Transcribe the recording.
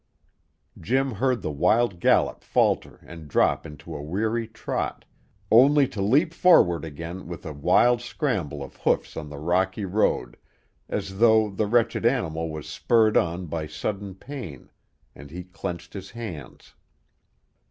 Jim heard the wild gallop falter and drop into a weary trot, only to leap forward again with a wild scramble of hoofs on the rocky road as though the wretched animal was spurred on by sudden pain, and he clenched his hands.